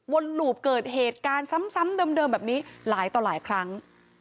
หลูบเกิดเหตุการณ์ซ้ำเดิมแบบนี้หลายต่อหลายครั้ง